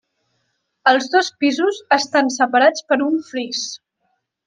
Els dos pisos estan separats per un fris.